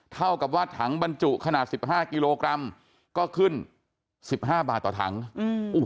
เท่ากับว่าถังบรรจุขนาดสิบห้ากิโลกรัมก็ขึ้นสิบห้าบาทต่อถังอืมโอ้โห